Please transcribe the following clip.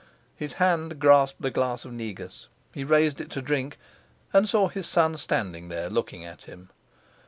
His hand grasped the glass of negus, he raised it to drink, and saw his son standing there looking at him.